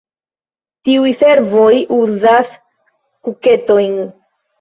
Tiuj servoj uzas kuketojn.